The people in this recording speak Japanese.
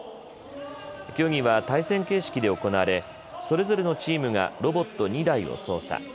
競技は対戦形式で行われそれぞれのチームがロボット２台を操作。